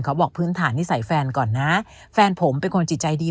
บอกพื้นฐานนิสัยแฟนก่อนนะแฟนผมเป็นคนจิตใจดี